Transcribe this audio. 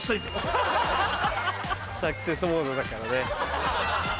サクセスモードだからね。